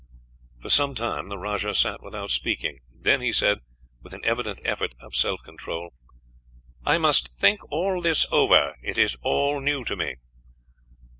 For some time the rajah sat without speaking; then he said, with an evident effort of self control, "I must think all this over; it is all new to me."